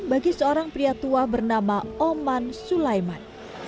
bagi seorang pria tua bernama oman sulaiman